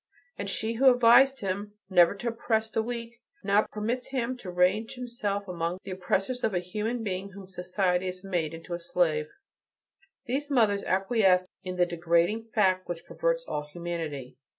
And she who advised him never to oppress the weak, now permits him to range himself among the oppressors of a human being whom society has made into a slave." These mothers acquiesce in the degrading fact which perverts all humanity.